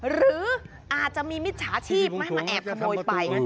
หรืออาจจะมีมิจฉาชีพไหมมาแอบขโมยไป